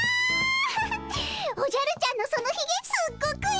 おじゃるちゃんのそのひげすっごくいい！